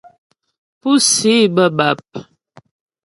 Púsi bə́ bap.